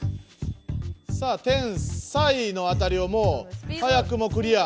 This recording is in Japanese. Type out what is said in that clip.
さあ「天才」のあたりをもう早くもクリア。